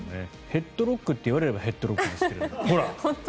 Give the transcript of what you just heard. ヘッドロックと言われればヘッドロックですが。